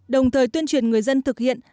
đồng thời tuyên truyền người dân thực hiện